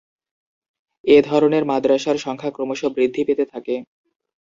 এ ধরনের মাদ্রাসার সংখ্যা ক্রমশ বৃদ্ধি পেতে থাকে।